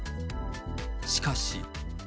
しかし。